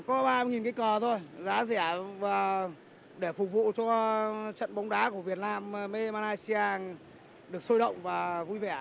có ba mươi cái cờ thôi giá rẻ và để phục vụ cho trận bóng đá của việt nam asean được sôi động và vui vẻ